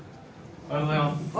おはようございます。